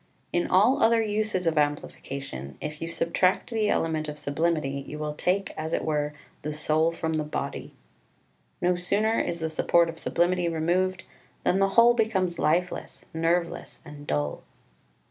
In all other uses of amplification, if you subtract the element of sublimity you will take as it were the soul from the body. No sooner is the support of sublimity removed than the whole becomes lifeless, nerveless, and dull.